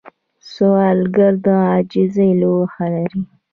سوالګر د عاجزۍ لوښه لري